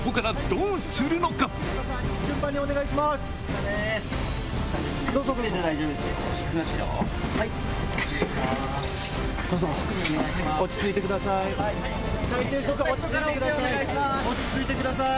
どうぞ落ち着いてください。